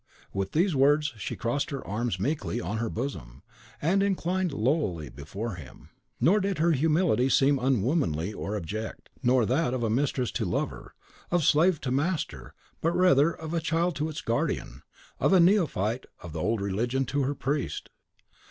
With these words, she crossed her arms meekly on her bosom, and inclined lowlily before him. Nor did her humility seem unwomanly or abject, nor that of mistress to lover, of slave to master, but rather of a child to its guardian, of a neophyte of the old religion to her priest.